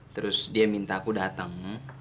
terus dia minta aku datang